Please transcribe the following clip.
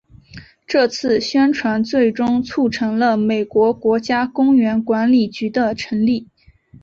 这次宣传最终促成了美国国家公园管理局的成立。